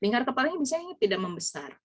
lingkar kepalanya bisa ini tidak membesar